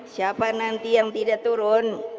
siapa nanti yang tidak turun